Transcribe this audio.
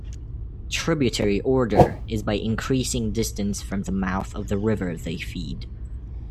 Tributary order is by increasing distance from the mouth of the river they feed.